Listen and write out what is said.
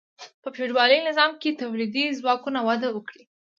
په فیوډالي نظام کې تولیدي ځواکونو وده وکړه.